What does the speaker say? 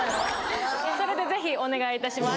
それでぜひお願いいたします。